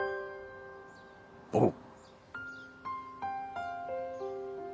おう。